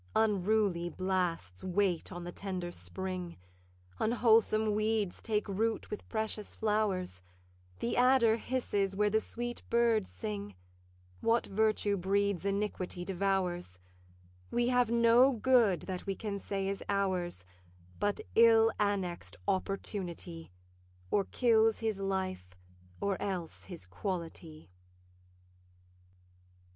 'Unruly blasts wait on the tender spring; Unwholesome weeds take root with precious flowers; The adder hisses where the sweet birds sing; What virtue breeds iniquity devours: We have no good that we can say is ours, But ill annexed Opportunity Or kills his life or else his quality.